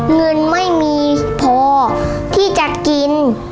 เงินไม่มีพอที่จะกิน